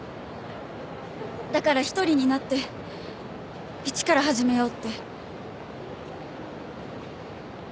だから１人になって一から始めようって。